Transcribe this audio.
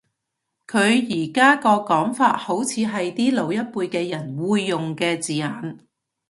佢而家個講法好似係啲老一輩嘅人會用嘅字眼